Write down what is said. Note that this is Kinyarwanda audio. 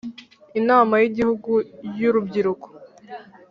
Inama y Igihugu y Urubyiruko